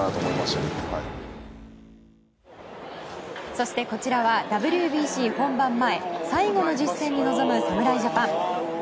そしてこちらはＷＢＣ本番前、最後の実戦に臨む侍ジャパン。